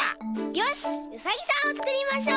よしウサギさんをつくりましょう！